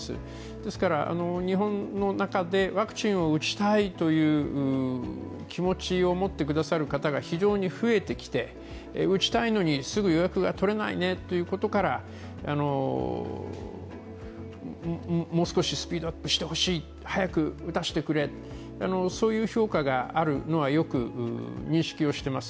ですから、日本の中でワクチンを打ちたいという気持ちを持ってくださる方が非常に増えてきて、打ちたいのにすぐ予約が取れないねということからもう少しスピードアップしてほしい、早く打たせてくれ、そういう評価があるのはよく認識をしています。